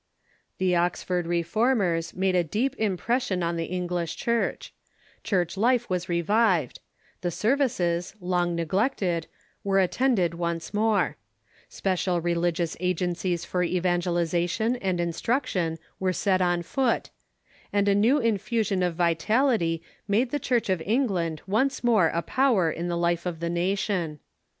The Oxford reformers made a deep impression on the Eng lish Church, Church life was revived ; the services, long neg lected, were attended once more ; special religious agen cies for evangelization and instruction were set on foot ; and a new infusion of vitality made the Church of England once more a power in the life of the nation.